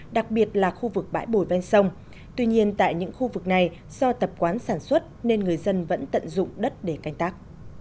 đặc biệt là khu vực bãi bồi ven sông tuy nhiên tại những khu vực này do tập quán sản xuất nên người dân vẫn tận dụng đất để canh tác